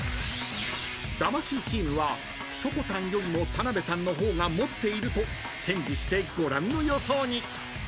［魂チームはしょこたんよりも田辺さんの方が持っているとチェンジしてご覧の予想に］